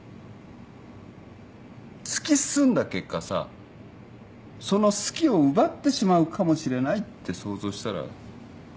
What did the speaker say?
突き進んだ結果さその「好き」を奪ってしまうかもしれないって想像したら。